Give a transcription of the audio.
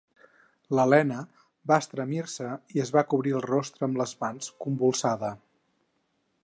L'Helena va estremir-se i es va cobrir el rostre amb els mans, convulsada.